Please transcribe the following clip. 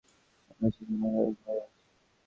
চারপাশে খামার আর ঘর রয়েছে।